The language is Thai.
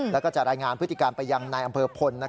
แล้วก็จะรายงานพฤติการไปยังนายอำเภอพล